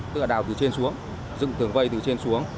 tức là đào từ trên xuống dựng tường vây từ trên xuống